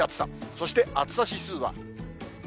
そして暑さ指数は。